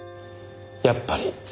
やっぱり。